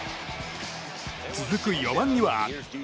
続く４番には。